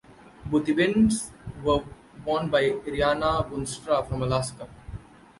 Both events were won by Riana Boonstra from Alaska.